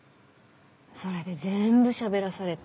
それで全部しゃべらされて。